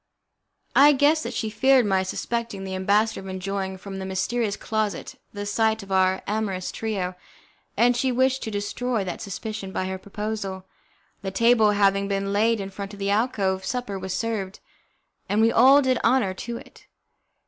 I guessed that she feared my suspecting the ambassador of enjoying from the mysterious closet the sight of our amorous trio, and she wished to destroy that suspicion by her proposal. The table having been laid in front of the alcove, supper was served, and we all did honour to it.